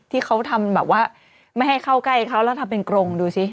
ที่เขาทำแบบว่าไม่ให้เข้าใกล้เขาแล้วทำเป็นกรงดูสิ